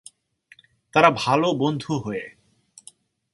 তারা ভাল বন্ধু হয়ে।